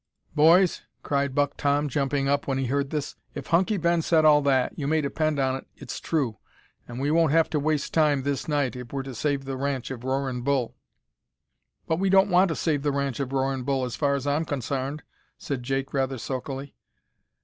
"Boys," cried Buck Tom, jumping up when he heard this, "if Hunky Ben said all that, you may depend on't it's true, an' we won't have to waste time this night if we're to save the ranch of Roarin' Bull." "But we don't want to save the ranch of Roarin' Bull, as far as I'm consarned," said Jake rather sulkily.